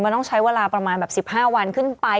มันต้องใช้เวลาประมาณแบบ๑๕วันขึ้นไป